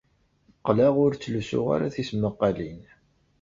Qqleɣ ur ttlusuɣ ara tismaqqalin.